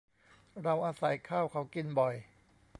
เราอาศัยข้าวเขากินบ่อย